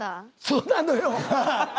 そうなのよ。